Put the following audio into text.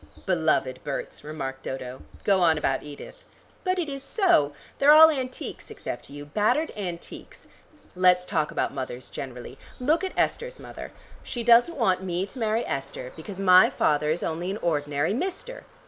"Beloved Berts," remarked Dodo. "Go on about Edith." "But it is so. They're all antiques except you, battered antiques. Let's talk about mothers generally. Look at Esther's mother. She doesn't want me to marry Esther because my father is only an ordinary Mister.